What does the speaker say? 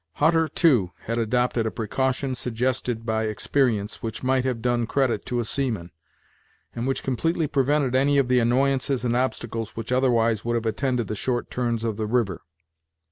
Hutter, too, had adopted a precaution suggested by experience, which might have done credit to a seaman, and which completely prevented any of the annoyances and obstacles which otherwise would have attended the short turns of the river.